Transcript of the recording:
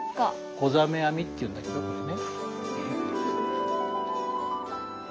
ござ目あみっていうんだけどこれね。